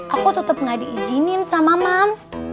aku tetep gak diizinin sama mams